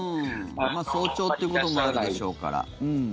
早朝ということもあるでしょうから。